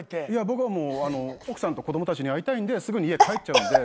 僕は奥さんと子供たちに会いたいんですぐに家帰っちゃうんで。